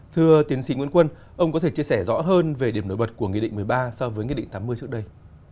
thưa tiến sĩ nguyễn quân ông có thể chia sẻ rõ hơn về điểm nổi bật của nghị định một mươi ba so với nghị định tám mươi trước đây